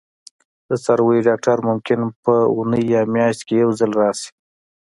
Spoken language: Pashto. د څارویو ډاکټر ممکن په اونۍ یا میاشت کې یو ځل راشي